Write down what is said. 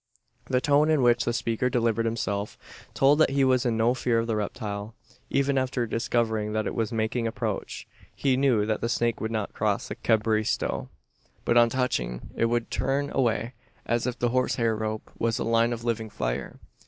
The tone in which the speaker delivered himself told that he was in no fear of the reptile even after discovering that it was making approach. He knew that the snake would not cross the cabriesto; but on touching it would turn away: as if the horsehair rope was a line of living fire.